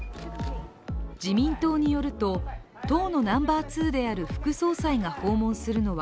自民党によると党のナンバー２である副総裁が訪問するのは